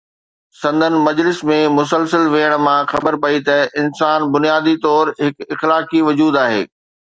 سندن مجلس ۾ مسلسل ويهڻ مان خبر پئي ته انسان بنيادي طور هڪ اخلاقي وجود آهي.